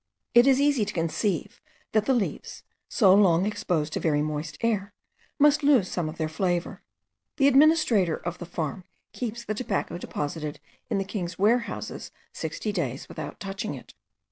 It is easy to conceive that the leaves, so long exposed to very moist air, must lose some of their flavour. The administrator of the farm keeps the tobacco deposited in the king's warehouses sixty days without touching it.